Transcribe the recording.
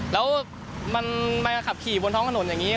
แล้วมันมาขับขี่บนท้องถนนอย่างนี้